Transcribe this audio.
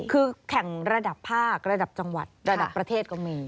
คือแข่งระดับภาคระดับจังหวัดระดับประเทศก็มี